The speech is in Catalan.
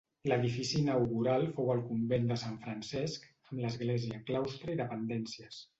L'edifici inaugural fou el convent de Sant Francesc, amb església, claustre i dependències.